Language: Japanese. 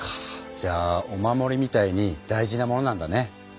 じゃあお守りみたいに大事なものなんだね。